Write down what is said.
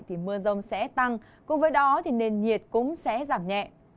thì mưa rông sẽ tăng cùng với đó thì nền nhiệt cũng sẽ giảm nhẹ